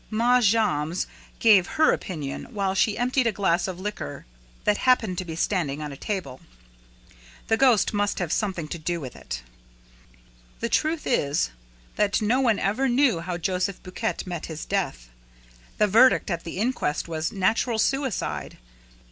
Ma Jammes gave her opinion, while she emptied a glass of liqueur that happened to be standing on a table; the ghost must have something to do with it. The truth is that no one ever knew how Joseph Buquet met his death. The verdict at the inquest was "natural suicide."